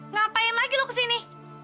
ngapain lagi lo kesini